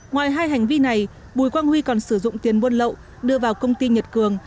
ngoài hai hành vi này bùi quang huy còn sử dụng tiền buôn lậu đưa vào công ty nhật cường